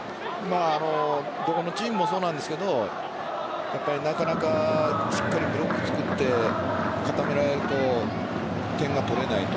どこのチームもそうなんですがやっぱりなかなかしっかりブロック作って固められると点が取れないと。